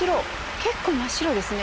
結構真っ白ですね。